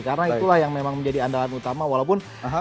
karena itulah yang memang menjadi andalan utama walaupun